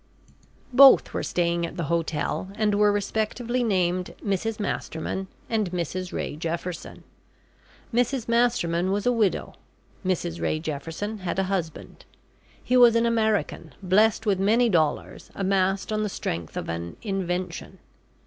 Both were staying at the hotel, and were respectively named Mrs Masterman, and Mrs Ray Jefferson. Mrs Masterman was a widow. Mrs Ray Jefferson had a husband. He was an American, blessed with many dollars, amassed on the strength of an "Invention."